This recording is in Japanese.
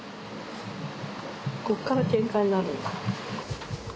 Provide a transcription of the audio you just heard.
こっからケンカになるんだ。